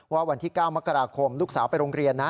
วันที่๙มกราคมลูกสาวไปโรงเรียนนะ